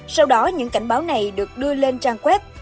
sau đó những cảnh báo này được đưa lên trang web